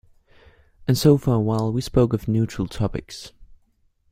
And so for a while we spoke of neutral topics.